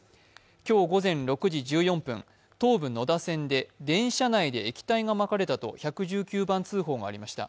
今日午前６時１４分、東武野田線で電車内で液体がまかれたと１１９番通報がありました。